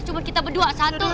coba kita berdua satu dua tiga